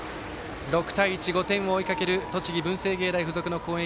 ６対１、５点を追いかける栃木、文星芸大付属の攻撃。